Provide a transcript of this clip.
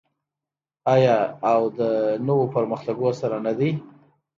آیا او د نویو پرمختګونو سره نه دی؟